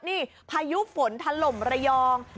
นี่พายุฝนถล่มระยอง